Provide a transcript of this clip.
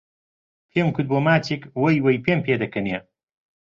پێم کوت بۆ ماچێک وەی وەی پێم پێ دەکەنێ